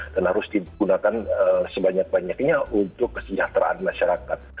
dan harus digunakan sebanyak banyaknya untuk kesejahteraan masyarakat